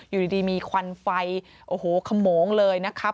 อยู่ดีมีควันไฟโอ้โหขโมงเลยนะครับ